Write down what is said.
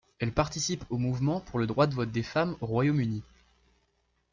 Elle participe au mouvement pour le droit de vote des femmes au Royaume-Uni.